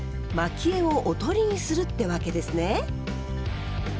まき餌をおとりにするってわけですね！